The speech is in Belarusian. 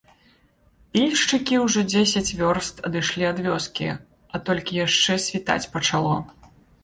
Пільшчыкі ўжо дзесяць вёрст адышліся ад вёскі, а толькі яшчэ світаць пачало.